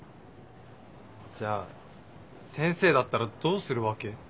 じゃあ先生だったらどうするわけ？